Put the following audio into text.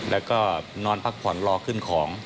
แล้วก็นอนพักผ่อนรอขึ้นของ